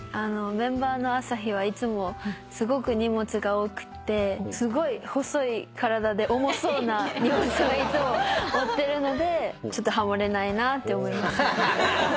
メンバーのアサヒはいつもすごく荷物が多くってすごい細い体で重そうな荷物をいつも持ってるのでちょっとハモれないなぁって思います。